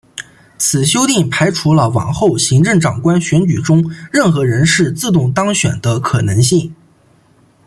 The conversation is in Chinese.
此修订排除了往后行政长官选举中任何人士自动当选的可能性。